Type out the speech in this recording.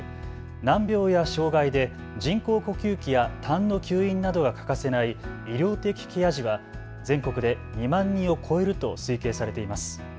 難病や障害で人工呼吸器やたんの吸引などが欠かせない医療的ケア児は全国で２万人を超えると推計されています。